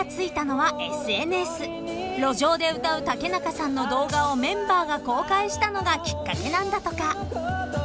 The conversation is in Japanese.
［路上で歌う竹中さんの動画をメンバーが公開したのがきっかけなんだとか］